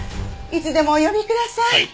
いつでもお呼びください。